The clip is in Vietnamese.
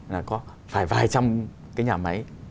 là có phải vài trăm cái nhà máy